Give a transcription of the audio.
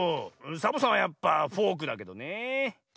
サボさんはやっぱフォークだけどねえ。